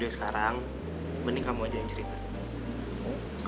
sekarang mending kamu aja yang cerita